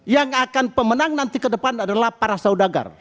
yang akan pemenang nanti ke depan adalah para saudagar